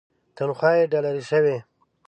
تنخوا یې ډالري شوې.